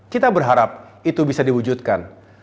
kita berharap itu bisa diwujudkan